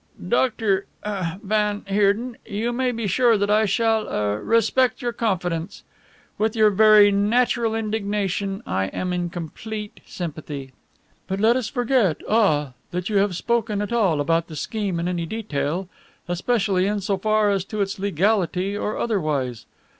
"Dr. ah van Heerden, you may be sure that I shall ah respect your confidence. With your very natural indignation I am in complete sympathy. "But let us forget, ah that you have spoken at all about the scheme in any detail especially in so far as to its legality or otherwise.